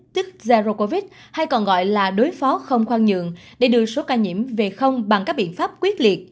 tức zharo covid hay còn gọi là đối phó không khoan nhượng để đưa số ca nhiễm về không bằng các biện pháp quyết liệt